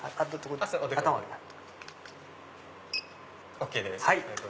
ＯＫです。